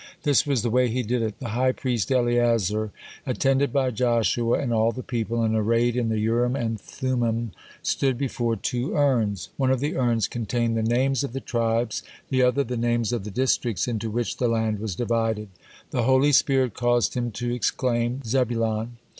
This was the way he did it. The high priest Eleazar, attended by Joshua and all the people, and arrayed in the Urim and Thummim, stood before two urns. One of the urns contained the names of the tribes, the other the names of the districts into which the land was divided. The holy spirit caused him to exclaims "Zebulon."